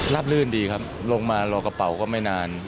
ลื่นดีครับลงมารอกระเป๋าก็ไม่นาน